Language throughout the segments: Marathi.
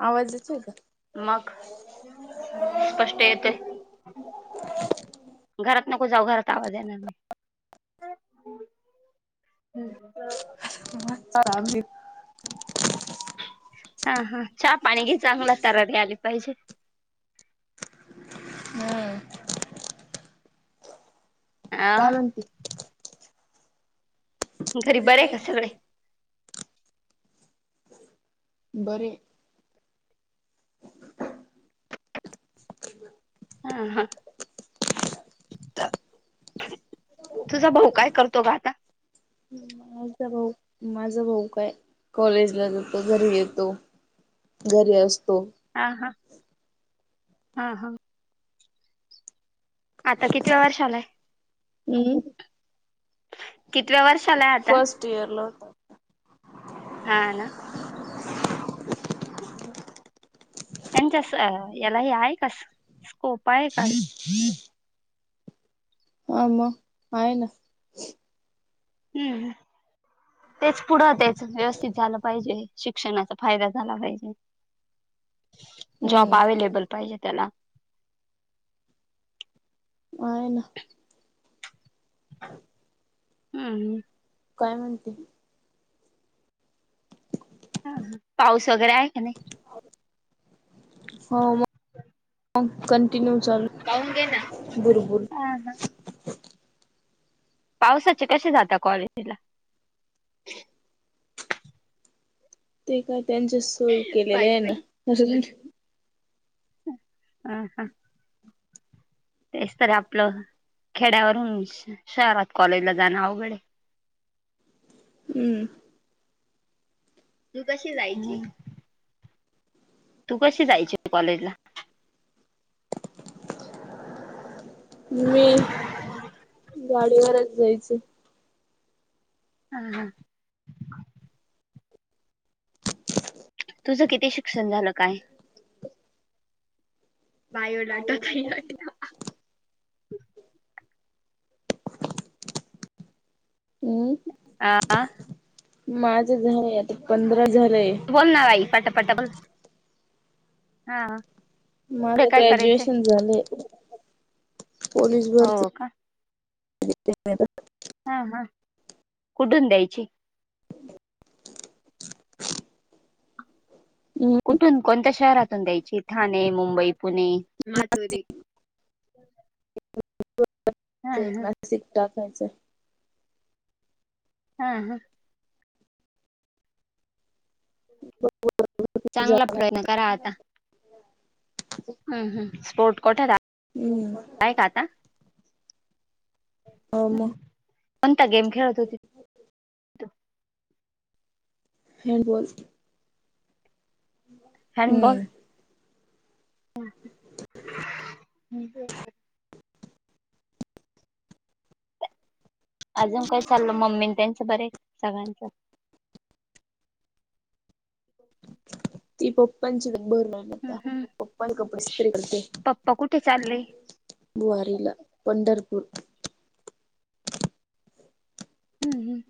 हॅलो. आवाज येतोय का? मग स्पष्ट येते. घरात. नको जाऊ घरात आवाज येणार नाही. [inaudible] हा हा चहा पाणी घी. चांगला तारटणी आली पाहिजे. हो. काय अ म्हणते. घरी बरे का सगळे. बरे. हा.. हा.. तुझा भाऊ काय करतो का आता? माझा भाऊ माझा भाऊ काय कॉलेजला जातो घरी येतो. घरी असत. हा. हा. हा. हा. आता किती वर्ष आलाय. हम्म फर्स्ट इयर ल हा ना त्यांच्या याला हे आहे का स्कोप आहे का आम आहेय ना हम्म तेच पुढं तेच व्यवस्थित झालं पाहिजे शिक्षणाचा फायदा झाला पाहिजे जॉब हम्म अवे्लेबल पाहिजे त्याला हय ना हम्म ह काय म्हणते पाऊस वगैरे आहे का नाही? हो मग टनचाल पाहून घे ना बरबल हा हा पावसाचे कसे जात कॉलेजीला ते काय त्यांच्या सोय केलेल्या पायी आहे ना हह हा तेच तरी आपलं खेड्यावरून शहरात कॉलेजला जाणं अवघडे हम्म तू कशी जायची तू कशी जायच कॉलेजला मी गाडीवरच जायच हम हा तुझं किती शिक्षण झालं काय बायो लटोलाट्या आ माझ झा आता पंधरा झार बोल ना भाई पट पट बोल हा पुढे माझे काय करायचंय? ग्रॅज्युएशन झाले पोलीस भरती हो का [inaudible] हा हा कुठून द्यायची हम्म कुठून कोणत शहरातून द्यायची ठाणे मुंबई पुणेातु एक नासिक टाकायचं हा हा ब चांगला प्रयत्न करा आता हम्म हम स्पोर्ट कोटार हम्म मग कोणता गेम खेळत होते हँडबॉल हॅँबॉल हम्म हम अजून काय चालल मम्मी त्यांचं बरे सगळ्यांचं ती पोपनच बर नाही आता हम्म. पप्पा कपडस्त्री करते पप्पा कुठे चालले बुधवारीला पंढरपूर हम्म हम्म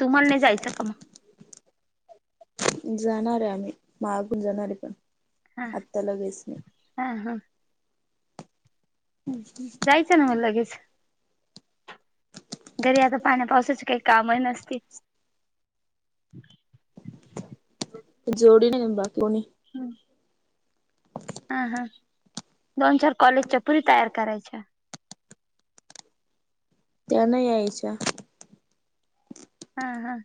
तुम्हाला नाही जायचं का म जाणार आहे आम्ही मागून जाणार आहे पण हा आत्ताला घेच नाही हा हा. जायचं ना मग लगेच घरी तर पाण्या पावसच काही काम न जोडी नाही बाकी कोणी हम् हा हा दोन चार कॉलेजच्या पुुरी तयार करायच्या [inaudible] त्या नाही यायच्या हा हा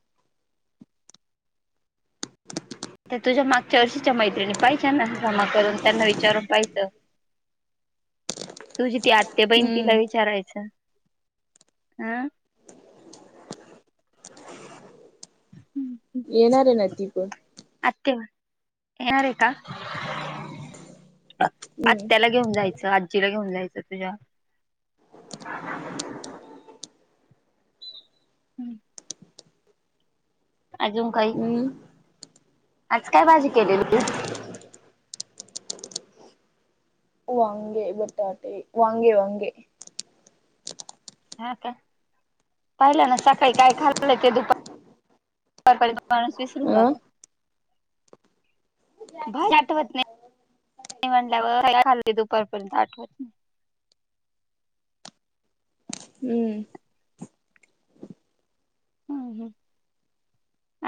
ते तुझ्या मागच्या अरषीच्या मैत्रिणी पाहिच्या ना जमा करून त्यांना विचारून पाहिजं तुझी ती ते बहिण तिला हम्म विचारायचं हं येणार आहे ना ती पण आत्ते येणार आहे का हम्म आत्याला घेऊन जायचं आजीला घेऊन जायचं तुझ्या हम्म अजून काही हम्म आज काय भाजी केलेली होती वांगे बटाटे वांगे वांगे हा का पाहिलं ना सकाळी काय खाल्लं ते दुपार माणूस विसरून अ जातो आठवत नाही म्हटल्या खा दुपारपर्यंत आठवत नाही हम्म हम्म हम्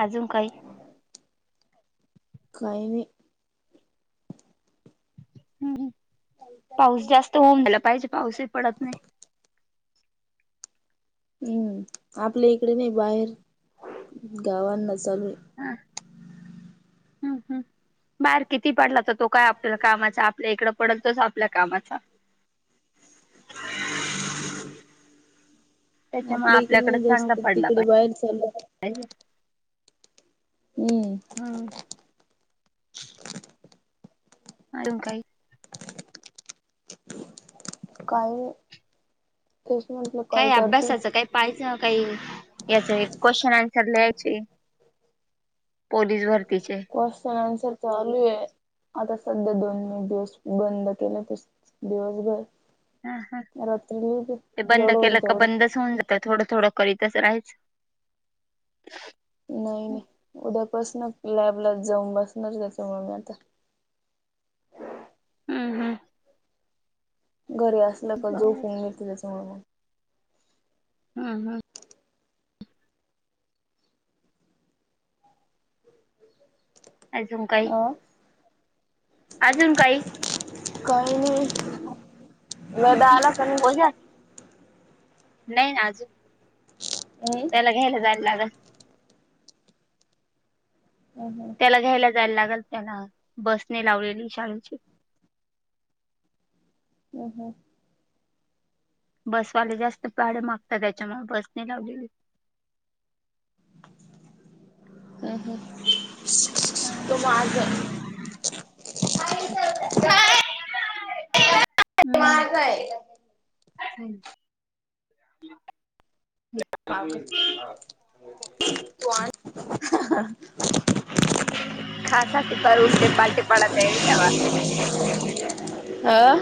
अजून काही काही नाही हम्म पाऊस जास्त होंडला पाहिजे पाऊसही पडत नाही हम्म आपल्या इकडे नाही बाहेर गावांना चालू आहे हा हम्म हम्म बाहेर किती पडला तर तो काय आपल्या कामाचा आपल्या इकडं पडल तच आपल्या कामाचा [inaudible] त्याच्यामुळे आपल्या इकडे आपल्याकडे नाही चांगला जास्त पडला तिकडे बाहेर चालू आहे. पाहिजे हम्म हम अजून काय काय तेच म्हटलं काय करते अभ्यासाचं काय पाहिचं काही याचं क्वेश्चन आंसर घ्यायची पोलीस भरतीसाठी क्वेश्चन चालू आहे आता सध्या दोन मे दिवस बंद केले त दिवसभर हा हा रात्री लिहिते ते बंद जेवढं होईल केलं का तेवढं बंदच होऊन जात थोडं थोडं करीतच राहायचं नाही नाही उद्या बसन लॅबला जाऊन बसणार त्याच्यामुळे मी आता हम्म हम्म घरी असल का बर झोपून नेत त्याच म्हणून हा हा अजून काही अ अजून काही काय नाही दादा आला का नाही ओझा नाही ना अजून नाही त्याला घ्यायला जायला लागेल हम्म हम्म त्याला घ्यायला जायला लागल त्याला बसने लावलेली शाळेची हम हम बसवाले जास्त भाडं मागतात त्यामुळे त्याच्यामुळे बस नाही लावली हम हम तो माझ [inaudible] का वा हम्म काय. [inaudible] [inaudible] [inaudible] आ.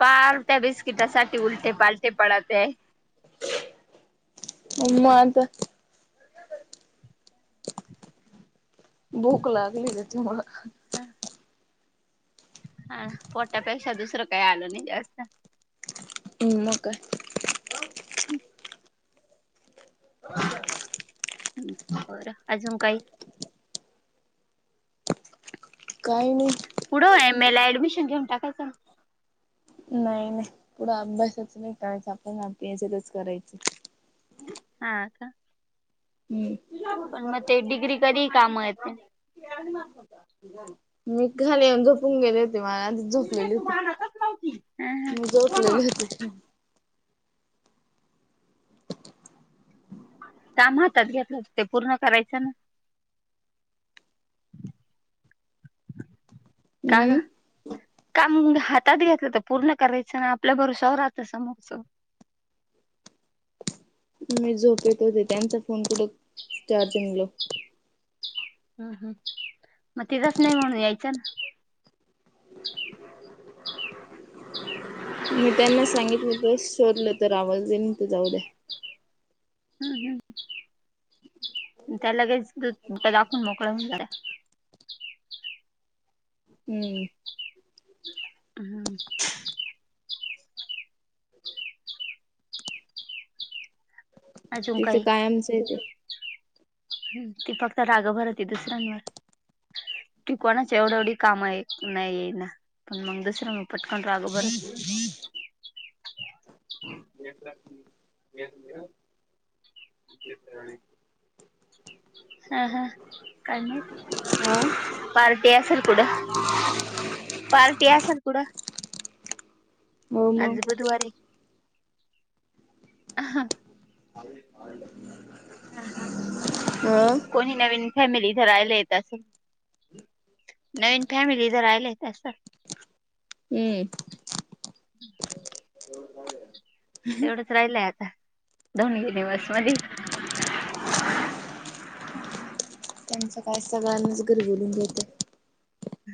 पार त्या बिस्किटासाठी उलटे पालटे पडत. तेे. हो म आता. भूक लागली होती मला. हा पोटापेक्षा दुसरं काय आलो नाही जास्त. ह म काय? ह. बरं अजून काही? काही नाही. पुढं एम ए ला ऍडमिशन घेऊन टाकायचं. नाही नाही पुढं अभ्यासच नाही करायच आपण याच तरच करायच. हा का. पण मग ते डिग्री कधी कामं येते. [inaudible] मी घरी येऊन झोपून गेले होते मला झोपलेली होती. ह मी झोपलेलं होते तेव्हा. काम हातात घेतलं ते पूर्ण करायचं ना. [inaudible] का ग हम्म का हातात घ्याेतलं तर? पूर्ण करायचं ना आपल्या भरवश्यावर राहत समोर च. मी झोप येत होते त्यांचा फोन कुड चार्जंग लाऊ. हम् हम् मग तिघांसानी म्हणू यायच. [inaudible] मी त्यांना सांगितलं तर शोरलं तर आवाज येईन तर जाऊ द्या. हम्म हम. त्या लगेच दाखवून मोकळा होणार [inaudible] [inaudible] हम्म. हम्म. तिथ कायमचं आहे ते. ह ती फक्त राग भर तिथेच [inaudible] टिकवणाच एवढं एवढी काम आहे नाही आहे ना पण मग दुसरं मी पटकन राग भरतो. [inaudible] [inaudible] [inaudible] हा हा काय मग हा पार्टी असल कुड. पार्टी अस सल कुडं हो मग आज बुधवारी. ह. हा कोणी नवीन फॅमिली ज राहिला येत. नवीन फॅमिली जर राहिले तं. हम. [inaudible] तेवढंच राहिलय आता दोन गे दिवस मधी. हम. त्यांचं काय सळनाच घर बोलून घेत.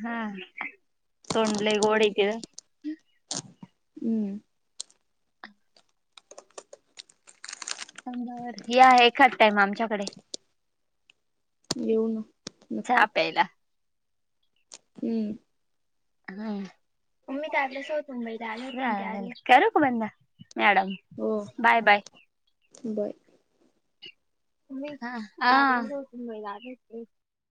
हा तोंड लय गोड हाय किग. हम्म ही आहे खाद टाईम आमच्याकडे. येऊ ना चहा नक्की. प्यायला हम्म [inaudible] तुम्ही काढल्या शिवाय [unintelligible] करू का बंद मॅडम. Bye bye. ब [inaudible]